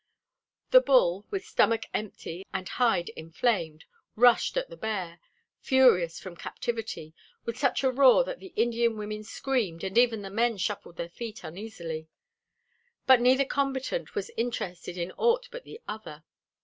The bull, with stomach empty and hide inflamed, rushed at the bear, furious from captivity, with such a roar that the Indian women screamed and even the men shuffled their feet uneasily. But neither combatant was interested in aught but the other.